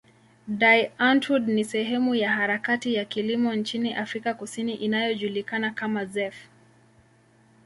Die Antwoord ni sehemu ya harakati ya kilimo nchini Afrika Kusini inayojulikana kama zef.